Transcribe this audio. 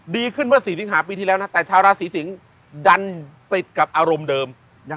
ดีขึ้นเมื่อ๔สิงหาปีที่แล้วนะแต่ชาวราศีสิงศ์ดันติดกับอารมณ์เดิม